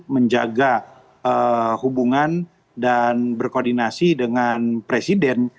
menjaga hubungan dan berkoordinasi dengan presiden